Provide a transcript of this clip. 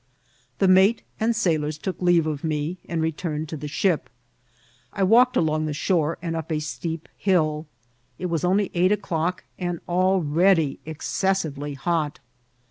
The mate and sailors took leave of me and returned to the ship. I walked along the shore and up a steep hiU. It was only eight o'clock, and already excessively hot.